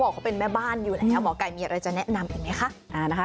เขาเป็นแม่บ้านอยู่แล้วหมอไก่มีอะไรจะแนะนำอีกไหมคะ